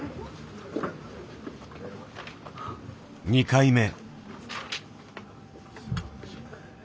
２回目。